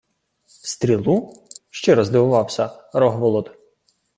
— Стрілу? — щиро здивувався Рогволод.